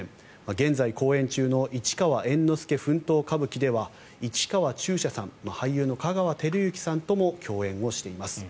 現在公演中の市川猿之助奮闘歌舞伎では市川中車さん俳優の香川照之さんとも共演をしています。